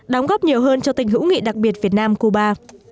đóng góp nhiều hơn cho tình hữu nghị đặc biệt việt nam cuba